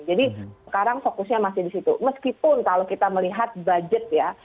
jadi sekarang fokusnya masih disitu meskipun kalau kita melihat budget ini